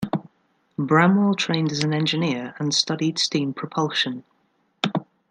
Bramwell trained as an engineer and studied steam propulsion.